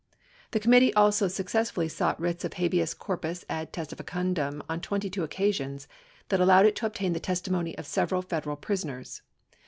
1 The com mittee also successfully sought writs of habeas corpus ad testificandum on 22 occasions that allowed it to obtain the testimony of several Fed eral prisoners.